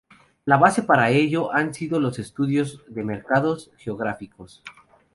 La base para ello han sido los estudios de mercados geográficos.